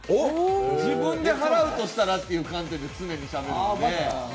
自分で払うとしたらという観点で常にしゃべるんで。